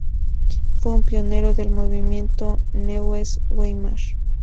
Fue un pionero del movimiento Neues Weimar.